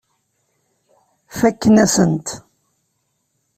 Fakken-asen-t.